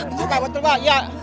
iya pak betul pak